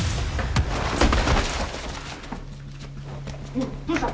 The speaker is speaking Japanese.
おいどうした？